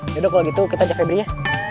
yaudah kalau gitu kita ajak febri ya